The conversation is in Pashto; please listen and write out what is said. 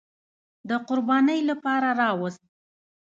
د قربانۍ لپاره راوست.